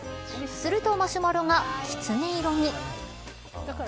するとマシュマロがきつね色に。